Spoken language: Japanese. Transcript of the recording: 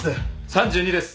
３２です。